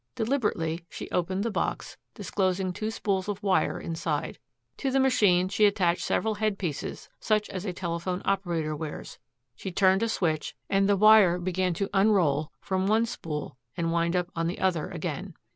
Deliberately she opened the box, disclosing two spools of wire inside. To the machine she attached several head pieces such as a telephone operator wears. She turned a switch and the wire began to unroll from one spool and wind up on the other again.